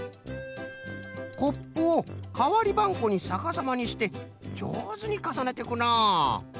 コップをかわりばんこにさかさまにしてじょうずにかさねていくのう。